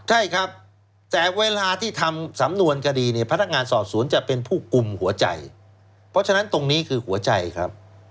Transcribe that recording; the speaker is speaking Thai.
ใช่ครับแต่เวลาที่ทำสำนวนคดีเนี่ยพนักงานสอบสวนจะเป็นผู้กลุ่มหัวใจเพราะฉะนั้นตรงนี้คือหัวใจครับ